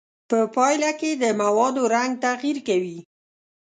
په پایله کې د موادو رنګ تغیر کوي.